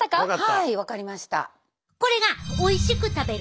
はいわかりました。